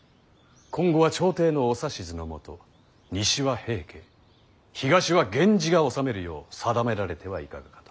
今後は朝廷のお指図の下西は平家東は源氏が治めるよう定められてはいかがかと。